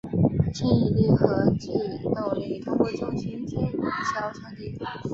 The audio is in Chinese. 牵引力和制动力通过中心牵引销传递。